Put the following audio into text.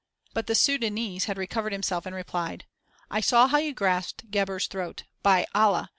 But the Sudânese had recovered himself and replied: "I saw how you grasped Gebhr's throat. By Allah!